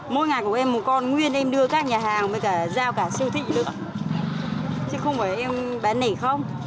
mỗi ngày của em một con nguyên em đưa các nhà hàng mới cả giao cả siêu thị nữa chứ không phải em bán nể không